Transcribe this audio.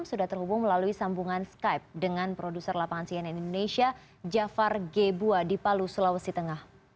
sudah terhubung melalui sambungan skype dengan produser lapangan cnn indonesia jafar gebua di palu sulawesi tengah